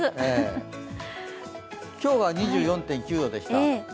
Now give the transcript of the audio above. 今日が２４．９度でした。